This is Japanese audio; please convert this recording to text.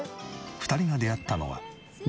２人が出会ったのは５年前。